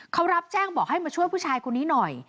เขารับแจ้งบอกให้มาช่วยผู้ชายคนนี้หน่อย